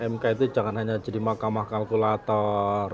mk itu jangan hanya jadi mahkamah kalkulator